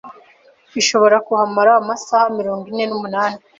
ishobora kuhamara amasaha mirongo ine numunani.